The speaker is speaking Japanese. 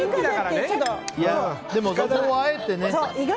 でもここはあえてね。